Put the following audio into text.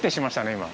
今。